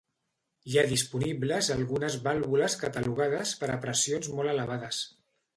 Hi ha disponibles algunes vàlvules catalogades per a pressions molt elevades.